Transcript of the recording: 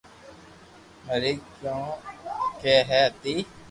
مري ڪاڪيو ھتي